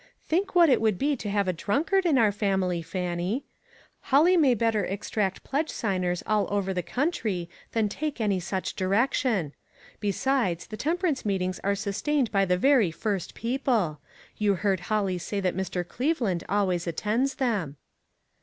Think what it would be to have a drunkard in our family, Fannie. Holly may better ex tract pledge signers all over the country than take any such direction. Besides, the temperance meetings are sustained by the very first people. You heard Holly say that Mr. Cleveland always attends them."